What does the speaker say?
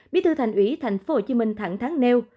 bí thư thành ủy tp hcm thẳng tháng nêu